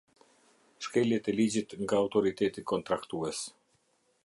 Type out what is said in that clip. Shkeljet e ligjit nga autoriteti kontraktues.